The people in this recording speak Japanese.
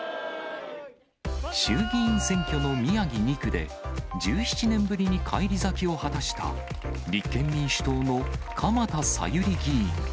衆議院選挙の宮城２区で、１７年ぶりに返り咲きを果たした、立憲民主党の鎌田さゆり議員。